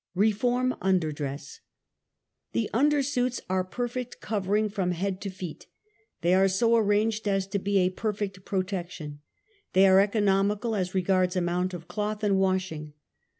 Reform Underdress. The undersuits are perfect covering from head to feet. They are so arranged as to be a perfect pro tection. They are economical as regards amount of cloth and washing.